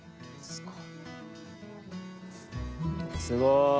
すごーい。